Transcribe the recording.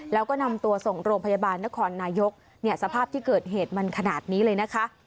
แล้วก็นำตัวส่งโรงพยาบาลนครนายกเนี่ยสภาพที่เกิดเหตุมันขนาดนี้เลยนะคะ